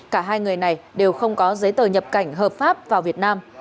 cả hai người này đều không có giấy tờ nhập cảnh hợp pháp vào việt nam